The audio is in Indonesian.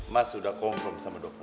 mas sudah confirm sama dokter